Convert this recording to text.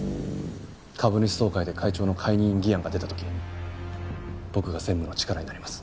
株主総会で会長の解任議案が出た時僕が専務の力になります。